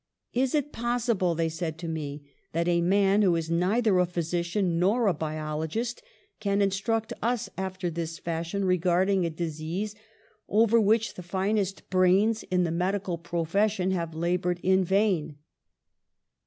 " 'Is it possible,' they said to me, 'that a man who is neither a physician nor a biologist can instruct us after this fashion regarding a dis THE SUPREME HOMAGE 197 ease over which the finest brains in the medical profession have laboured in vain?